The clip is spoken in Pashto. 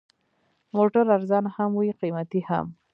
موټر ارزانه هم وي، قیمتي هم.